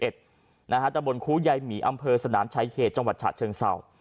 ตะบนครูยายหมีอำเภอสนามชายเขตจังหวัดฉะเชิงเศร้า